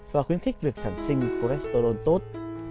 và khuyến khích việc sản sinh cholesterol tốt